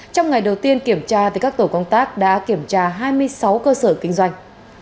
trong ngày đầu tiên kiểm tra các tổ công tác đã kiểm tra hai mươi sáu cơ sở kinh doanh